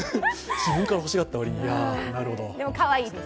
自分から欲しがった割に。